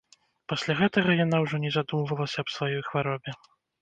Пасля гэтага яна ўжо не задумвалася аб сваёй хваробе.